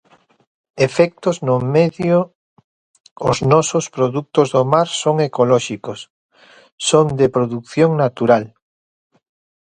Efectos no medio Os nosos produtos do mar son ecolóxicos, son de produción natural.